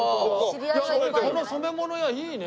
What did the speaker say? この染め物屋いいね。